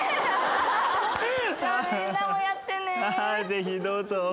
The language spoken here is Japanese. ぜひどうぞ。